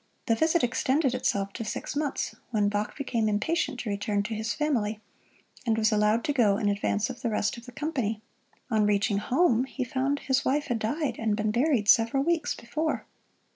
The visit extended itself to six months, when Bach became impatient to return to his family, and was allowed to go in advance of the rest of the company. On reaching home he found his wife had died and been buried several weeks before.